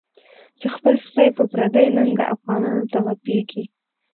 چی خپل سپی په پردی ننګه، افغانانو ته غپیږی